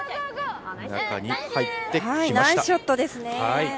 ナイスショットですね。